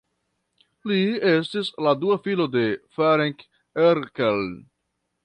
Li estis la dua filo de Ferenc Erkel.